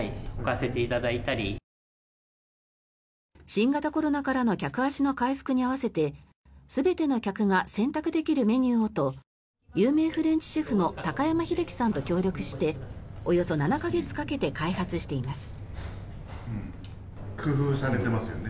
新型コロナからの客足の回復に合わせて全ての客が選択できるメニューをと有名フレンチシェフの高山英紀さんと協力しておよそ７か月かけて開発しています。